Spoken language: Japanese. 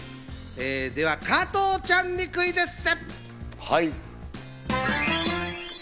では加藤ちゃんにクイズッス！